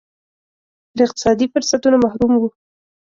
له اقتصادي فرصتونو محروم وو.